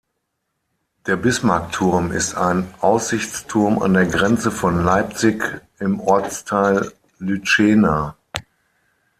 Der Bismarckturm ist ein Aussichtsturm an der Grenze von Leipzig im Ortsteil Lützschena.